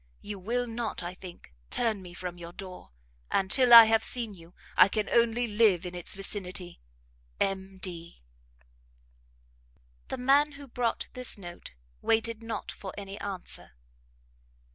You will not, I think, turn me from' your door, and, till I have seen you, I can only live in its vicinity. M. D. The man who brought this note, waited not for any answer.